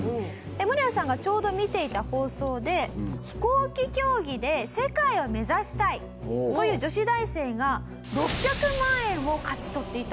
ムロヤさんがちょうど見ていた放送で飛行機競技で世界を目指したいという女子大生が６００万円を勝ち取っていたんです。